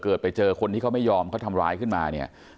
ไปเจอคนที่เขาไม่ยอมเขาทำร้ายขึ้นมาเนี่ย